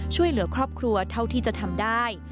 ช่วยเหลือครอบครัวเท่าที่จะทำได้